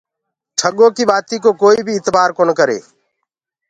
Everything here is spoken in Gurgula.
ٺڳو ڪيٚ بآتينٚ ڪو ڪوئي بي اتبآر ڪونآ ڪري۔